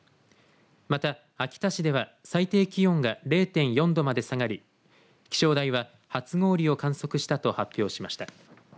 また、秋田市では最低気温が０．４度まで下がり気象台は初氷を観測したと発表しました。